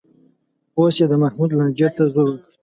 اوس یې د محمود لانجې ته زور ورکړ